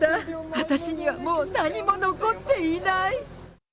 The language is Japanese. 私にはもう何も残っていない。